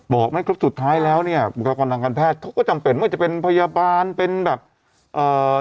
บอกไม่ครบสุดท้ายแล้วเนี่ยบุคลากรทางการแพทย์เขาก็จำเป็นว่าจะเป็นพยาบาลเป็นแบบเอ่อ